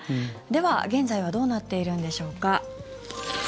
では、現在はどうなっているんでしょうか。